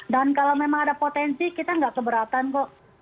dan kalau memang ada potensi kita nggak keberatan kok